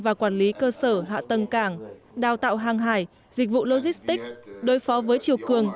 và quản lý cơ sở hạ tầng cảng đào tạo hàng hải dịch vụ logistics đối phó với chiều cường